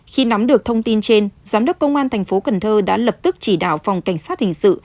khi nắm được thông tin trên giám đốc công an thành phố cần thơ đã lập tức chỉ đạo phòng cảnh sát hình sự